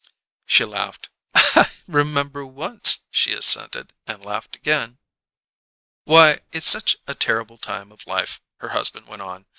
She laughed. "I remember once!" she assented, and laughed again. "Why, it's a terrible time of life," her husband went on.